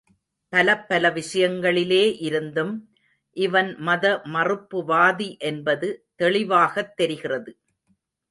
பலப்பல விஷயங்களிலே இருந்தும் இவன் மத மறுப்புவாதி என்பது தெளிவாகத் தெரிகிறது.